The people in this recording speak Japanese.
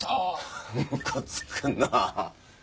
ムカつくなあ。